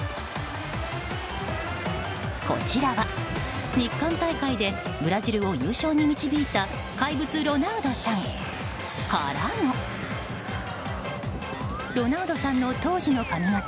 こちらは日韓大会でブラジルを優勝に導いた怪物ロナウドさんからのロナウドさんの当時の髪形